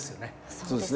そうですね